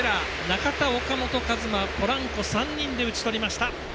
中田、岡本和真、ポランコ３人で打ち取りました。